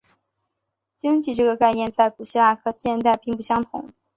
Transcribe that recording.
经济这个概念在古希腊跟现代并不相同。